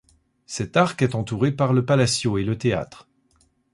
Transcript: Cet arc est entouré par le Palacio et le Théâtre.